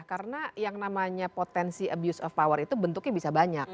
karena yang namanya potensi abuse of power itu bentuknya bisa banyak